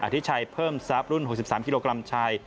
ที่ชัยเพิ่มทรัพย์รุ่น๖๓กิโลกรัมชาย